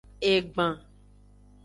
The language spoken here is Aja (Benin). Egban.